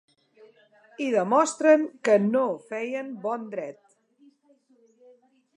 I demostren que no feien ‘bon dret’.